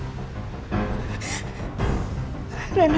siapa yang taruh air panas ke reina